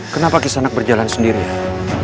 kenapa kisanat berjalan sendirian